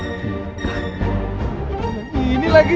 atau ini lagi